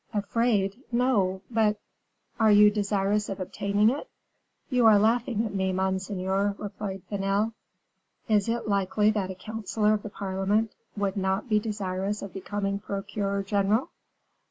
"Afraid! no; but " "Are you desirous of obtaining it?" "You are laughing at me, monseigneur," replied Vanel. "Is it likely that a counselor of the parliament would not be desirous of becoming procureur general?"